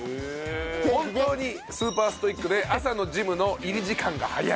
本当にスーパーストイックで朝のジムの入り時間が早い。